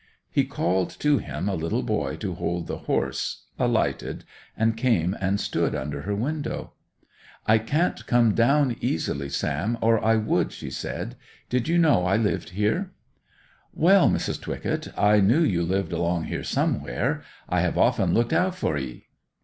He called to him a little boy to hold the horse, alighted, and came and stood under her window. 'I can't come down easily, Sam, or I would!' she said. 'Did you know I lived here?' 'Well, Mrs. Twycott, I knew you lived along here somewhere. I have often looked out for 'ee.